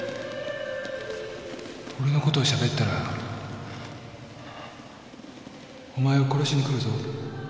俺のことをしゃべったらお前を殺しに来るぞ